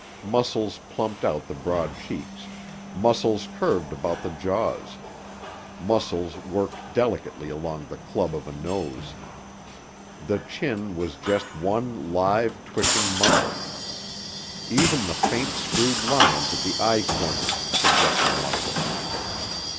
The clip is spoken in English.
Muscles plumped out the broad cheeks; muscles curved about the jaws; muscles worked delicately along the club of a nose. The chin was just one live, twitching muscle. Even the faint screwed lines at the eye corners suggested muscle.